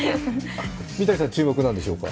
三谷さん、注目は何でしょうか？